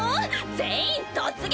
全員突撃！